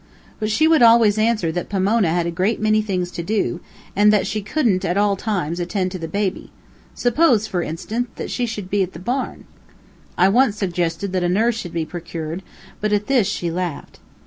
But she would always answer that Pomona had a great many things to do, and that she couldn't, at all times, attend to the baby. Suppose, for instance, that she should be at the barn. I once suggested that a nurse should be procured, but at this she laughed.